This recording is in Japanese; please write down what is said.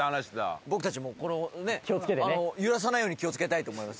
僕たちもこのねっ揺らさないように気をつけたいと思います。